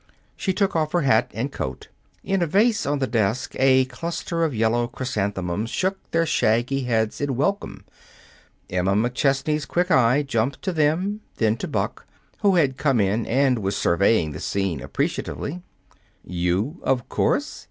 She took off hat and coat. In a vase on the desk, a cluster of yellow chrysanthemums shook their shaggy heads in welcome. Emma McChesney's quick eye jumped to them, then to Buck, who had come in and was surveying the scene appreciatively. "You of course."